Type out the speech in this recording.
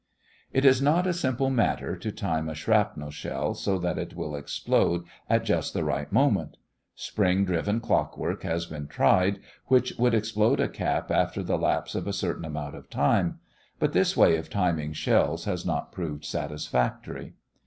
It is not a simple matter to time a shrapnel shell so that it will explode at just the right moment. Spring driven clockwork has been tried, which would explode a cap after the lapse of a certain amount of time; but this way of timing shells has not proved satisfactory.